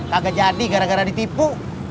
kagak jadi gara gara ditipu